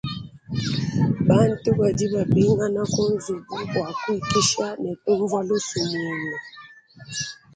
Bantu badi bapingana kunzubu bwa kuikisha ne kunvwa lusumwinu.